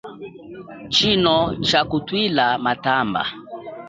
Tshino tsha kutwila matamba.